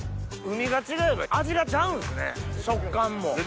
海が違えば味がちゃうんすね食感も。